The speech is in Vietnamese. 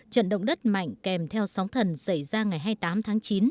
trận động đất mạnh kèm theo sóng thần xảy ra ngày hai mươi tám tháng chín